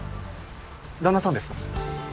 旦那さんですか？